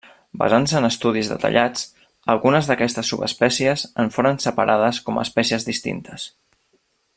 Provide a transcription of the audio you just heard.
Basant-se en estudis detallats, algunes d'aquestes subespècies en foren separades com a espècies distintes.